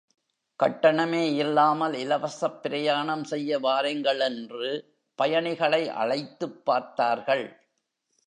கட்டணமே இல்லாமல் இலவசப் பிரயாணம் செய்ய வாருங்கள் என்று பயணிகளை அழைத்துப் பார்த்தார்கள்.